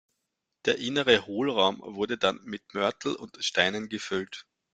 Der innere Hohlraum wurde dann mit Mörtel und Steinen gefüllt.